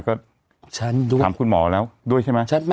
ก็ถามคุณหมอแล้วด้วยใช่ไหม